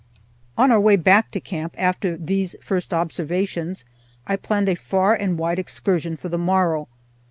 On our way back to camp after these first observations I planned a far and wide excursion for the morrow.